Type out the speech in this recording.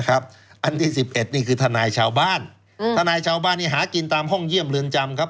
อันที่๑๑นี่คือทนายชาวบ้านทนายชาวบ้านที่หากินตามห้องเยี่ยมเรือนจำครับ